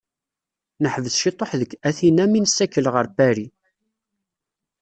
Neḥbes cituḥ deg Atina mi nessakel ɣer Paris.